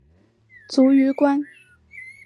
卒于官。